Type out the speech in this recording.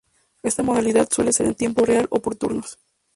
Esta modalidad suele ser en tiempo real o por turnos.